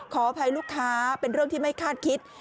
ขออภัยลูกค้าเป็นเรื่องที่ไม่คาดคิด